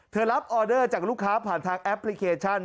รับออเดอร์จากลูกค้าผ่านทางแอปพลิเคชัน